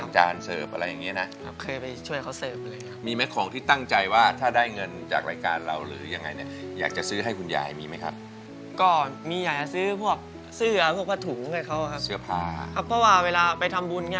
ช่วยร้านอาหารอย่างนี้เป็นเด็กเสิร์ฟอะไรบ้าง